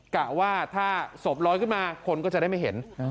กะว่าถ้าศพลอยขึ้นมาคนก็จะได้ไม่เห็น